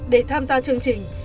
để tham gia chương trình